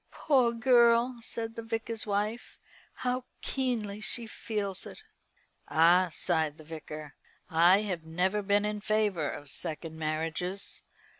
"Poor girl," said the Vicar's wife, "how keenly she feels it!" "Ah!" sighed the Vicar, "I have never been in favour of second marriages.